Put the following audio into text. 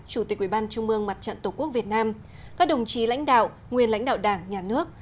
chủ tịch ủy ban trung mương mặt trận tổ quốc việt nam các đồng chí lãnh đạo nguyên lãnh đạo đảng nhà nước